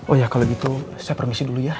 oh ya kalau gitu saya permisi dulu ya